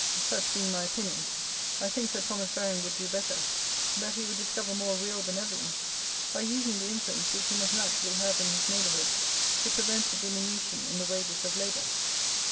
Such being my opinion, I think Sir Thomas Baring would do better, that he would discover more real benevolence, by using the influence which he must naturally have in his neighbourhood, to prevent a diminution in the wages of labour.